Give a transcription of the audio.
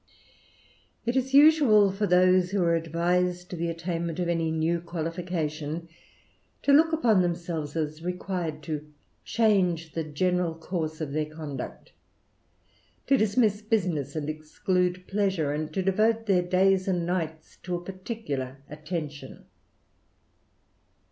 It is usual for those who are advised to the attainment of any new qualification, to look upon themselves as required to change the general course of their conduct, to dismiss business, and exclude pleasure, and to devote their days and nights to a particular attention.